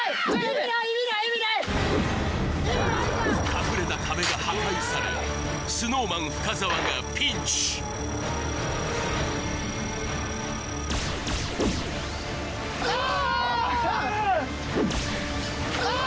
隠れた壁が破壊されＳｎｏｗＭａｎ・深澤がピンチあーっ！